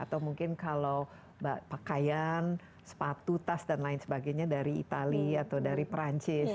atau mungkin kalau pakaian sepatu tas dan lain sebagainya dari itali atau dari perancis